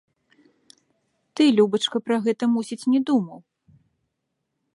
Ты, любачка, пра гэта, мусіць, не думаў?